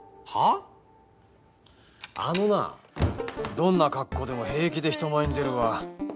どんな格好でも平気で人前に出るわ。